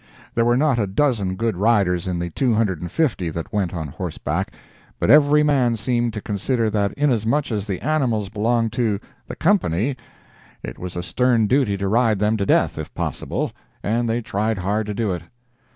There were not a dozen good riders in the two hundred and fifty that went on horseback, but every man seemed to consider that inasmuch as the animals belonged to "the Company," it was a stern duty to ride them to death, if possible, and they tried hard to do it.